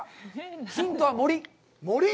ヒントは森。